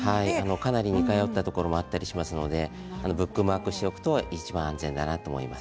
かなり似通ったところもあると思いますのでブックマークしておくといちばん安全だなと思います。